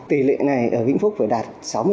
tỷ lệ này ở vĩnh phúc phải đạt sáu mươi